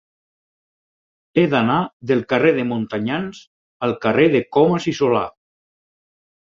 He d'anar del carrer de Montanyans al carrer de Comas i Solà.